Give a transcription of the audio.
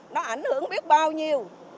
nó ảnh hưởng biết bao nhiêu